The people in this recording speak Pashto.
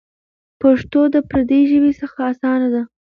پښتو د پردۍ ژبې څخه اسانه ده.